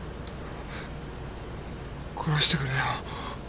殺してくれよ